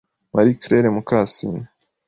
Marie Claire Mukasine